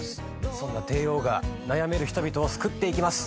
そんな帝王が悩める人々を救っていきます。